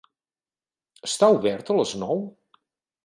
Està obert a les nou?